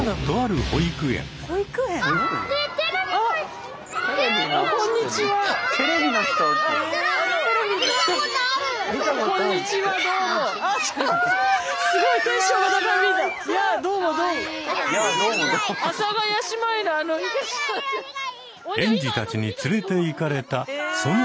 園児たちに連れていかれたその先に。